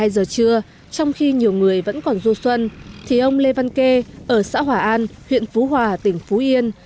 một mươi hai giờ trưa trong khi nhiều người vẫn còn du xuân thì ông lê văn kê ở xã hỏa an huyện phú hòa tỉnh phú yên